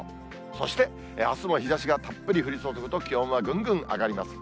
そして、あすも日ざしがたっぷり降り注ぐと、気温はぐんぐん上がります。